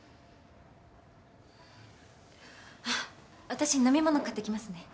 私飲み物買ってきますね。